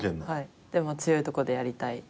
強いとこでやりたい。